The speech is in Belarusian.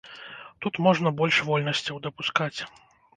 Тут можна больш вольнасцяў дапускаць.